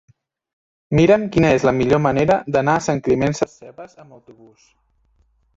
Mira'm quina és la millor manera d'anar a Sant Climent Sescebes amb autobús.